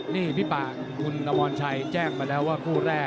นี่พี่ปากคุณนวรชัยแจ้งมาแล้วว่าคู่แรก